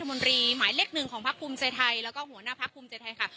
มนตรีหมายเล็กหนึ่งของพักภูมิใจไทยแล้วก็หัวหน้าพักภูมิใจไทยค่ะ